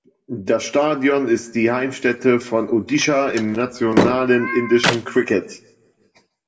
Das Stadion ist die Heimstätte von Odisha im nationalen indischen Cricket.